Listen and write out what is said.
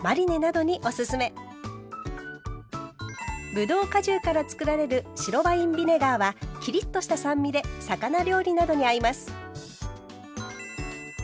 ぶどう果汁からつくられる白ワインビネガーはきりっとした酸味で魚料理などに合います。